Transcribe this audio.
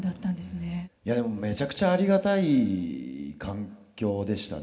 いやでもめちゃくちゃありがたい環境でしたね。